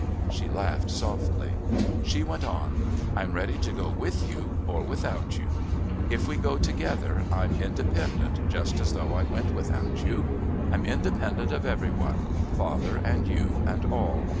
She laughed softly. She went on: "I'm ready to go with you or without you. If we go together I'm independent, just as though I went without you. I'm independent of every one father and you and all.